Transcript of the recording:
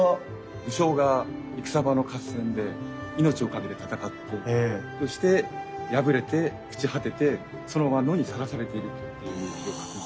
武将が戦場の合戦で命を懸けて戦ってそして敗れて朽ち果ててそのまま野にさらされているというイメージを。